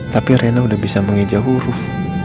tapi rena udah bisa menghijau huruf